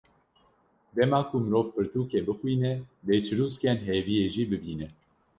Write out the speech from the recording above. Dema ku mirov pirtûkê bixwîne, dê çirûskên hêviyê jî bibîne ….